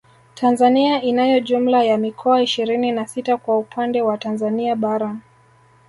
Tanzania inayo jumla ya mikoa ishirini na sita kwa upande wa Tanzania bara